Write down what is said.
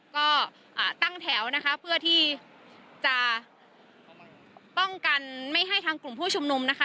ก็ตั้งแถวนะคะเพื่อที่จะป้องกันไม่ให้ทางกลุ่มผู้ชุมนุมนะคะ